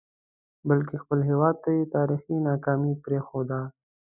بلکې خپل هیواد ته یې تاریخي ناکامي پرېښوده.